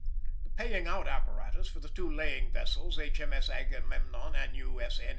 ] The paying out apparatus for the two laying vessels H.M.S. Agamemnon and U.S.N.